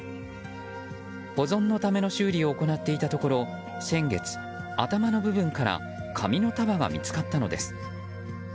保存のための修理を行っていたところ先月、頭の部分から紙の束が見つかったのです。